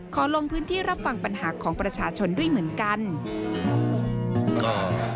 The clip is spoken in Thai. ลงพื้นที่รับฟังปัญหาของประชาชนด้วยเหมือนกัน